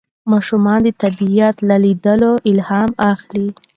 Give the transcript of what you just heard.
ماشومان د طبیعت له لیدلو الهام اخلي